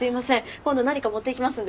今度何か持っていきますんで。